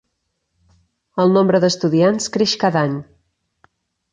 El nombre d'estudiants creix cada any.